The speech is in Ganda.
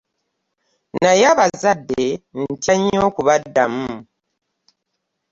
Naye abazadde ntya nyo okubaddamu.